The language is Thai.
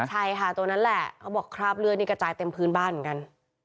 ใช่ค่ะตัวนั้นแหละเขาบอกคราบเลือดนี่กระจายเต็มพื้นบ้านเหมือนกัน